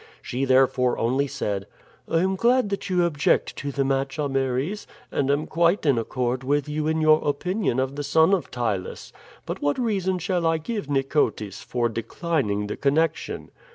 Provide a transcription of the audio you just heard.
She therefore only said: "I am glad that you object to the match, Ameres, and am quite in accord with you in your opinion of the son of Ptylus. But what reason shall I give Nicotis for declining the connection?"